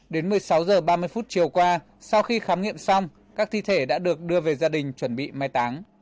đến một mươi sáu h ba mươi chiều qua sau khi khám nghiệm xong các thi thể đã được đưa về gia đình chuẩn bị mai táng